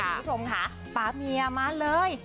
คุณผู้ชมค่ะป๊าเมียมาเลย